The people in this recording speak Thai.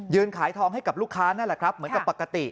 ขายทองให้กับลูกค้านั่นแหละครับเหมือนกับปกติ